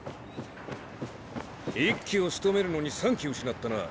１機をしとめるのに３機失ったな。